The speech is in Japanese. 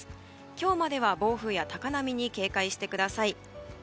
今日までは暴風や高波に警戒してください。